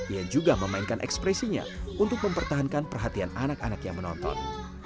ia juga memainkan ekspresinya untuk mempertahankan perhatian anak anak yang menonton